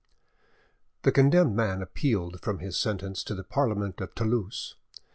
The condemned man appealed from this sentence to the Parliament of Toulouse.